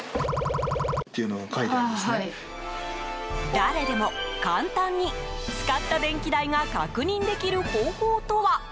誰でも簡単に使った電気代が確認できる方法とは。